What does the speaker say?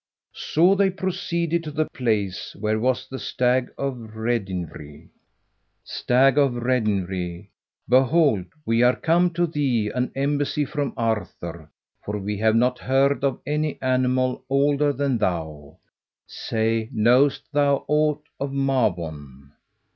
So they proceeded to the place where was the Stag of Redynvre. "Stag of Redynvre, behold we are come to thee, an embassy from Arthur, for we have not heard of any animal older than thou. Say, knowest thou aught of Mabon?"